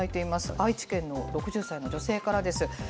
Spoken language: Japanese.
愛知県の６０歳の女性からです。